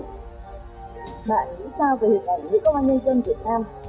bạn nghĩ sao về hình ảnh nữ công an nhân dân việt nam